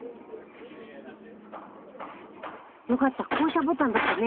よかった降車ボタンだったね。